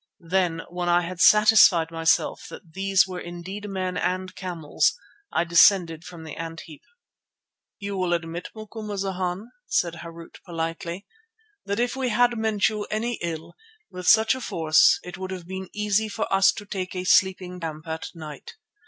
Then when I had satisfied myself that these were indeed men and camels I descended from the ant heap. "You will admit, Macumazana," said Harût politely, "that if we had meant you any ill, with such a force it would have been easy for us to take a sleeping camp at night.